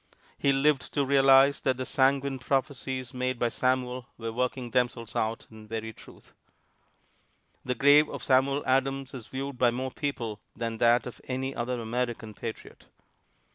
He lived to realize that the sanguine prophecies made by Samuel were working themselves out in very truth. The grave of Samuel Adams is viewed by more people than that of any other American patriot.